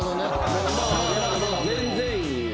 全然いい。